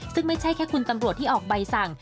ซึ่งไม่ใช่แค่คุณตำรวจที่ออกใบสั่ง